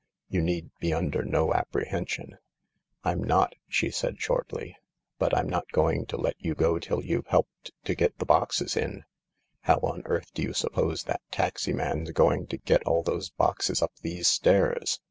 You need be under no apprehension." i ♦ D ^'" Sh . C Said Sh0rtl y " But rm going to let you go till you've helped to get the boxes in. How on earth do you suppose that taxi man's going to get all those boxes up these stairs